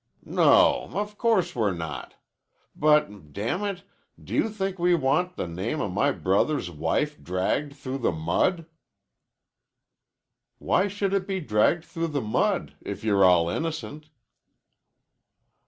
"No, of course we're not! But damn it, do you think we want the name of my brother's wife dragged through the mud?" "Why should it be dragged through the mud if you're all innocent?"